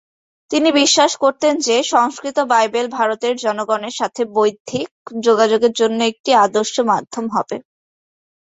তিনি বিশ্বাস করতেন যে সংস্কৃত বাইবেল ভারতের জনগণের সাথে বৌদ্ধিক যোগাযোগের জন্য একটি আদর্শ মাধ্যম হবে।